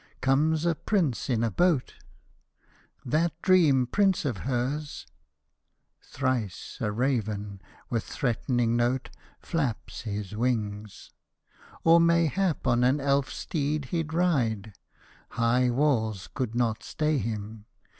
Comes a prince in a boat — That dream prince of hers — (thrice a raven, with threatening note, Flaps his wings) — or mayhap on an elf steed he 'd ride. High walls could not stay him.